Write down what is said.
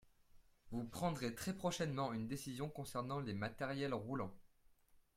Vous prendrez très prochainement une décision concernant les matériels roulants.